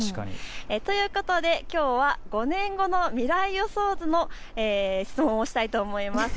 ということで、きょうは５年後の未来予想図を質問したいと思います。